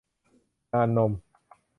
นานนม